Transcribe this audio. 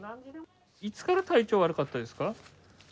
いつから体調悪かったですか？